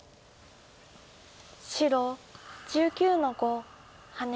白１９の五ハネ。